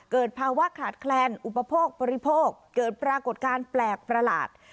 เกิดภาวะขาดแคลนอุปโภคบริโภคเกิดปรากฏการณ์แปลกประหลาด